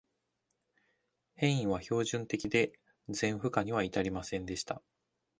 変位は標準的で、全負荷には至りませんでした。